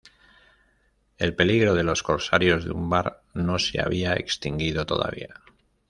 El peligro de los corsarios de Umbar no se había extinguido todavía.